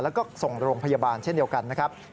แล้วก็ส่งโรงพยาบาลเช่นเดียวกันนะครับ